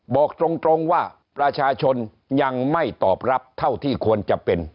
บอกตรงว่าประชาชนยังไม่ตอบรับเท่าที่ควรจะเป็น